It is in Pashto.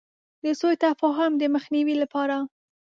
د سو تفاهم د مخنیوي لپاره.